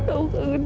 aku kaget sama dia